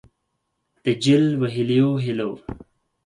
د جل وهلیو هِیلو